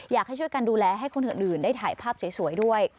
อยากให้ช่วยกันดูแลให้คนอื่นได้ถ่ายภาพสวยด้วย